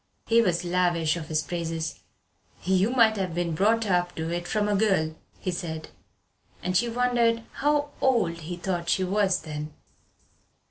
He was lavish of his praises. "You might have been brought up to it from a girl," he said, and she wondered how old he thought she was then.